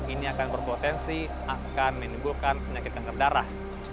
ini akan berpotensi akan menimbulkan penyakit kanker darah